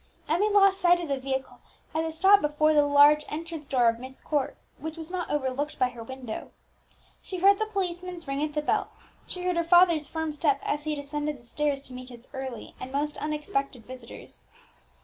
Emmie lost sight of the vehicle as it stopped before the large entrance door of Myst Court, which was not overlooked by her window. She heard the policemen's ring at the bell, she heard her father's firm step as he descended the stairs to meet his early and most unexpected visitors.